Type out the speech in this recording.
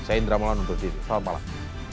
saya indra moulana untuk dini selamat malam